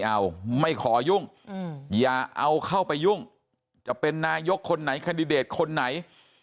เอาไม่ขอยุ่งอย่าเอาเข้าไปยุ่งจะเป็นนายกคนไหนแคนดิเดตคนไหน